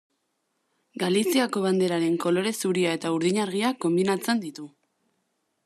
Galiziako banderaren kolore zuria eta urdin argia konbinatzen ditu.